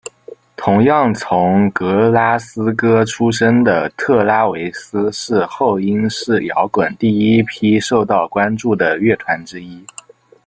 同样从格拉斯哥出身的特拉维斯是后英式摇滚第一批受到关注的乐团之一。